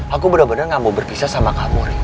aku bener bener gak mau berpisah sama kamu